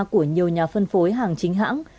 của nhiều nhà phân phối hàng chính hãng